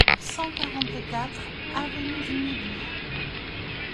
cent quarante-quatre avenue du Midou